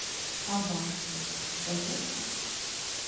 А вам што, здаецца?